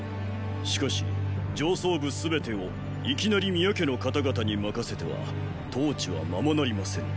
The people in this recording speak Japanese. しかし上層部全てをいきなり宮家の方々に任せては統治はままなりませぬ。